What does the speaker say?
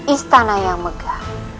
istana yang megah